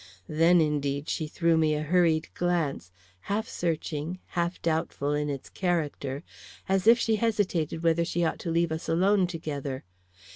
Then, indeed, she threw me a hurried glance, half searching, half doubtful in its character, as if she hesitated whether she ought to leave us alone together.